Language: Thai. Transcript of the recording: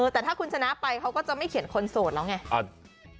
แต่ถ้าคุณชนะไปเขาก็จะไม่เขียนคนโสดแล้วไง